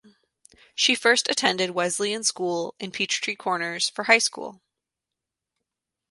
She first attended Wesleyan School in Peachtree Corners for high school.